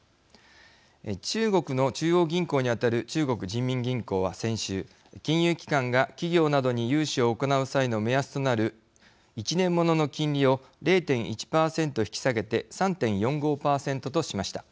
中国の中央銀行に当たる中国人民銀行は、先週金融機関が企業などに融資を行う際の目安となる１年ものの金利を０．１％引き下げて３．４５％としました。